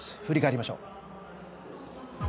振り返りましょう。